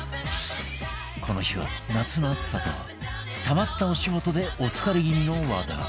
この日は夏の暑さとたまったお仕事でお疲れ気味の和田